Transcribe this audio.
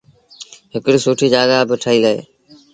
هڪڙيٚ سُٺي جآڳآ با ٺهيٚل اهي۔